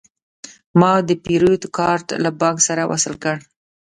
ما د پیرود کارت له بانک سره وصل کړ.